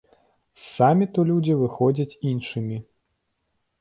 З саміту людзі выходзяць іншымі.